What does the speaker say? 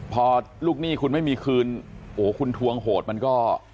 พอลูกหนี้คุณไม่มีคืนโอ้โหคุณทวงโหดมันก็